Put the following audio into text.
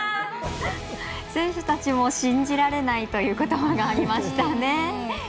選手たちも信じられないということばがありましたね。